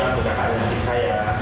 dan kakak dan adik saya